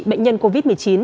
bệnh nhân covid một mươi chín